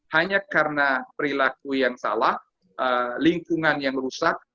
hanya karena perilaku yang salah lingkungan yang rusak